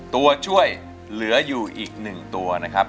ตัวช่วยเหลืออยู่อีก๑ตัวนะครับ